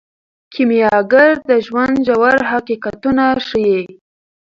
کیمیاګر د ژوند ژور حقیقتونه ښیي.